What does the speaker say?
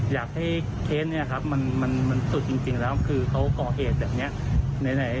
อยากให้เค้นเนี่ยครับมันสุดจริงแล้วคือเขาก่อเหตุแบบเนี้ย